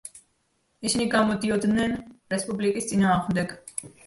ისინი გამოდიოდნენ რესპუბლიკის წინააღმდეგ.